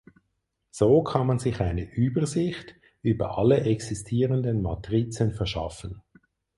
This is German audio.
So kann man sich eine "Übersicht" über alle existierenden Matrizen verschaffen.